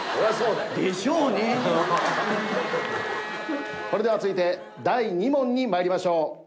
それでは続いて第２問にまいりましょう。